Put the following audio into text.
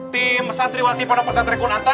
tim santriwati panopesantri kunanta